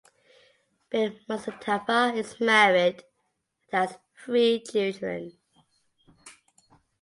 Ben Mustapha is married and has three children.